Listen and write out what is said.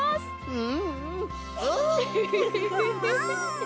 うんうん。